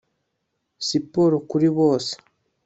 siporo kuri bose